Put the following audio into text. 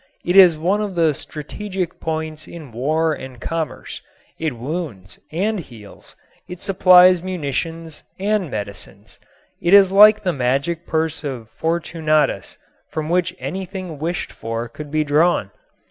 It is one of the strategic points in war and commerce. It wounds and heals. It supplies munitions and medicines. It is like the magic purse of Fortunatus from which anything wished for could be drawn.